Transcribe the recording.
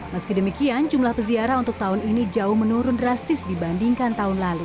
meski demikian jumlah peziarah untuk tahun ini jauh menurun drastis dibandingkan tahun lalu